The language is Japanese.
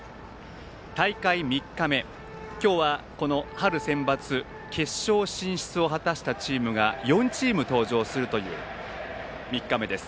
大会３日目、今日は春センバツ決勝進出を果たしたチームが４チーム、登場するという３日目です。